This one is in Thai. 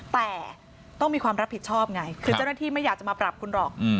แต่ต้องมีความรับผิดชอบไงคือเจ้าหน้าที่ไม่อยากจะมาปรับคุณหรอก